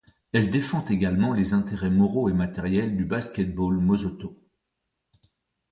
Elle défend également les intérêts moraux et matériels du basket-ball mosotho.